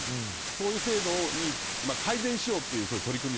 そういう制度に改善しようという取り組み